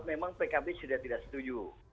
memang pkb sudah tidak setuju